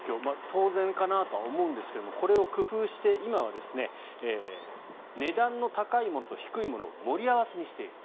当然かなとは思うんですがこれを工夫して今は値段の高いものと低いものを盛り合わせにしている。